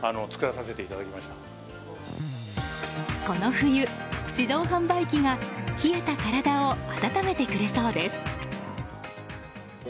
この冬、自動販売機が冷えた体を温めてくれそうです。